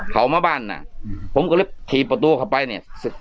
เขามาบ้านน่ะผมก็เลยขี่ประตูเข้าไปเนี่ย